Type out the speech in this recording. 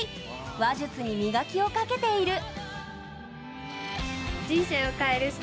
話術に磨きをかけている。